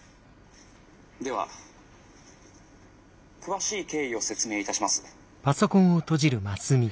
では詳しい経緯を説明いたします」。